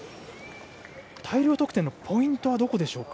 大量得点のポイントはどこでしょうか。